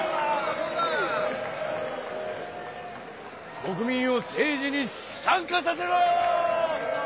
国民を政治に参加させろ！